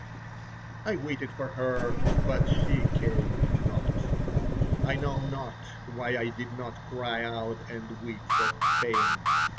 I waited for her, but she came not. I know not why I did not cry out and weep for pain.